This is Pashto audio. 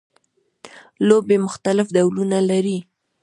لوبیې مختلف ډولونه لري